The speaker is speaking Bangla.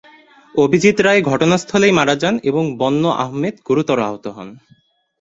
অভিজিৎ রায় ঘটনাস্থলেই মারা যান এবং বন্যা আহমেদ গুরুতর আহত হন।